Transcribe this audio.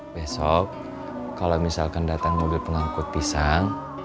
besok kalau misalkan datang mobil pengangkut pisang